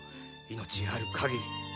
命ある限り。